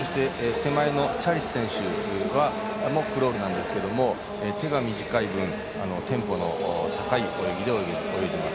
手前のチャリス選手もクロールなんですが手が短い分、テンポの速い泳ぎで泳いでいます。